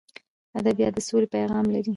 ادبیات د سولې پیغام لري.